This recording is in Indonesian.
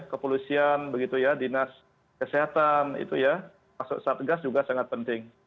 kepolisian dinas kesehatan masuk satgas juga sangat penting